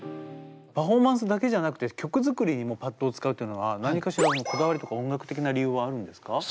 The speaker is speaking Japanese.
パフォーマンスだけじゃなくて曲作りにもパッドを使うっていうのは何かしらのこだわりとか音楽的な理由はあるんですか？